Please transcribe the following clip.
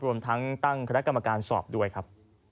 รวมทั้งตั้งคณะกรรมการสอบด้วยครับ